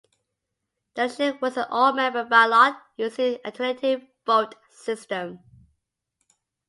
The election was an all-member ballot using the alternative vote system.